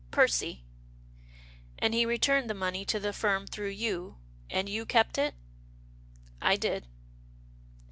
"" Percy." And he returned the money to the firm through you, and you kept it? "" I did."